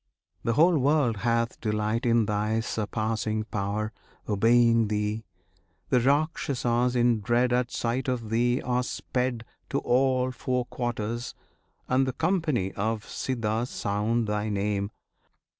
The whole world hath delight In Thy surpassing power, obeying Thee; The Rakshasas, in dread At sight of Thee, are sped To all four quarters; and the company Of Siddhas sound Thy name.